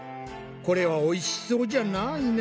これはおいしそうじゃないね。